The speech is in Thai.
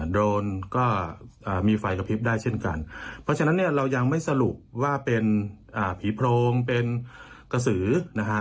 โดนก็มีไฟกระพริบได้เช่นกันเพราะฉะนั้นเนี่ยเรายังไม่สรุปว่าเป็นผีโพรงเป็นกระสือนะฮะ